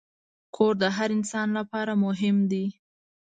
کور د هر انسان لپاره مهم دی.